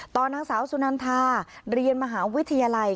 นางสาวสุนันทาเรียนมหาวิทยาลัย